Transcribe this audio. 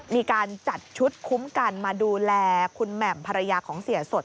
มีการจัดชุดคุ้มกันมาดูแลคุณแหม่มภรรยาของเสียสด